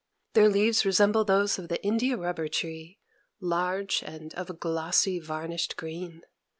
Their leaves resemble those of the India rubber tree, large, and of a glossy, varnished green.